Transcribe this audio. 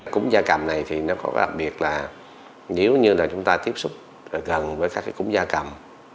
cúng da cầm này có đặc biệt là nếu chúng ta tiếp xúc gần với các cúng da cầm